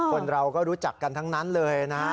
คนเราก็รู้จักกันทั้งนั้นเลยนะฮะ